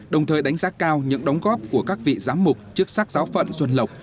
đồng thời đánh giá cao những đóng góp của các vị giám mục chức sắc giáo phận xuân lộc